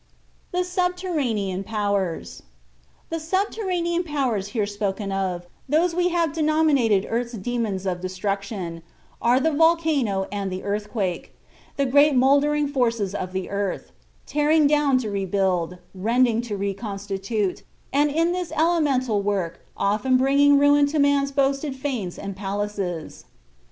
THE SUBTERRANEAN POWERS The subterranean powers here spoken of, those we had denominated earth's demons of destruction, are the volcano and the earthquake, the great moulding forces of the earth, tearing down to rebuild, rending to reconstitute, and in this elemental work often bringing ruin to man's boasted fanes and palaces.